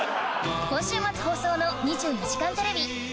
今週末放送の『２４時間テレビ』